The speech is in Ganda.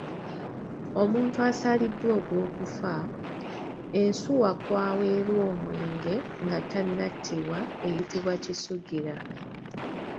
Omuntu asaliddwa ogw’okufa, ensuwa kwaweerwa omwenge nga tannattibwa eyitibwa Kisugira.